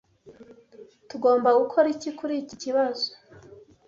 Tugomba gukora iki kuri iki kibazo?